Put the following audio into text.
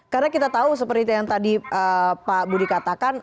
karena kita tahu seperti yang tadi pak budi katakan